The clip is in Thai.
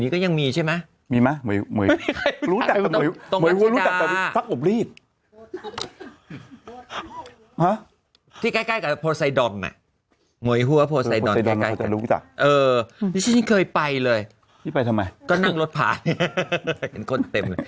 ที่ใกล้กับโพรไซดอนไหมมวยหัวโพรไซดอนใกล้จากเออมีชิ้นเคยไปเลยไปทำไมก็นั่งรถผ่าน